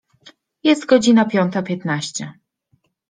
Jest godzina piąta piętnaście.